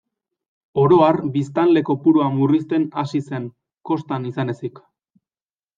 Oro har, biztanle-kopurua murrizten hasi zen, kostan izan ezik.